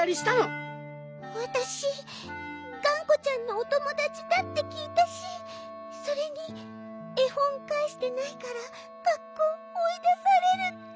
わたしがんこちゃんのおともだちだってきいたしそれにえほんかえしてないから学校おいだされるって。